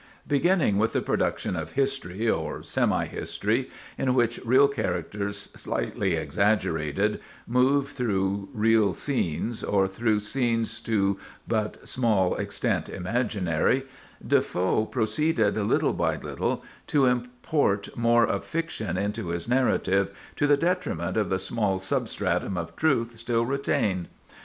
Beginning with the production of history, or semi history, in which real characters, slightly exaggerated, move through real scenes, or through scenes to but small extent imaginary, Defoe proceeded little by little to import more of fiction into his narrative, to the detriment of the small substratum of truth still retained.